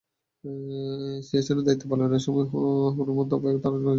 সিয়াচেনে দায়িত্ব পালনের সময় হনুমন্তাপ্পা তাঁর নয়জন সঙ্গীসহ প্রবল তুষারধসে চাপা পড়েন।